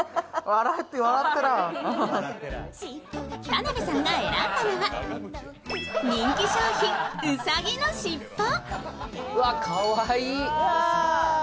田辺さんが選んだのは人気商品・うさぎのしっぽ。